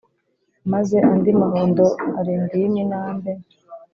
Maze andi mahundo arindwi y iminambe